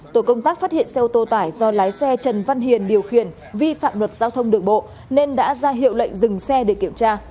tổ công tác phát hiện xe ô tô tải do lái xe trần văn hiền điều khiển vi phạm luật giao thông đường bộ nên đã ra hiệu lệnh dừng xe để kiểm tra